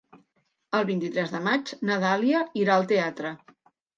El vint-i-tres de maig na Dàlia irà al teatre.